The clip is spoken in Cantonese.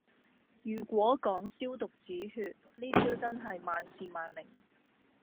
如果講消毒止血，呢招真係萬試萬靈